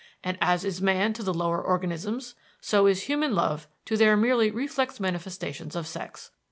And as is man to the lower organisms, so is human love to their merely reflex manifestations of sex.